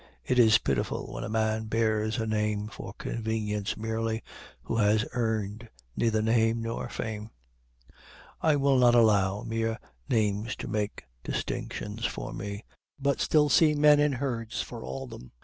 It is pitiful when a man bears a name for convenience merely, who has earned neither name nor fame. I will not allow mere names to make distinctions for me, but still see men in herds for all them.